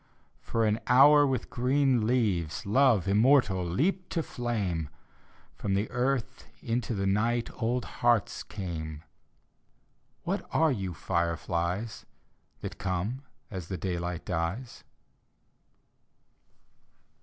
For an hour with green leaves, Love immortal leaped to flame, From the earth into the night Old hearts came. What are you, fireflies, That come as daylight dies?